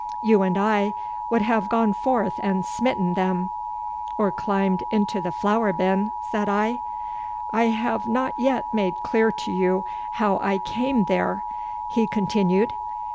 'You and I would have gone forth and smitten them.' 'Or climbed into the flour bin,' said I. 'I have not yet made clear to you how I came there,' he continued.